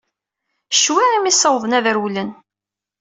Ccwi imi ssawḍen ad rewlen.